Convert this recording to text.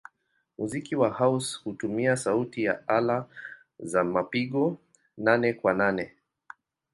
Muziki wa house hutumia sauti ya ala za mapigo nane-kwa-nane.